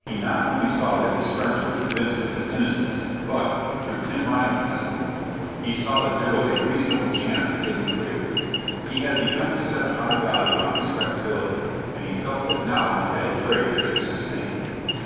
He not only saw that his friends were convinced of his innocence, but, through Tim Ryan's testimony, he saw that there was a reasonable chance of getting clear. He had begun to set a high value on respectability, and he felt that now he had a character to sustain.